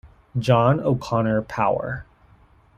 John O'Connor Power.